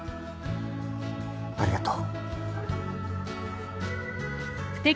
ありがとう。